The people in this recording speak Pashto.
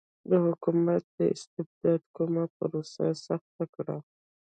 د حکومت د استبدادي کولو پروسه سخته کړه.